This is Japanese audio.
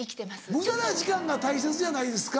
無駄な時間が大切じゃないですか。